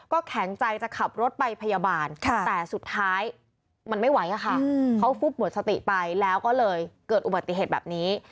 ก็แข็งใจจะขับรถไปพยาบาลแต่สุดท้ายมันไม่ไหวอะค่ะเขาฟุบหมดสติไปแล้วก็เลยเกิดอุบัติเหตุแบบนี้